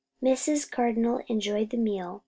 Mrs. Cardinal enjoyed the meal.